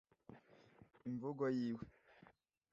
Imvugo yiwe